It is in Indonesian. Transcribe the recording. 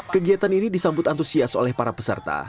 kegiatan ini disambut antusias oleh para peserta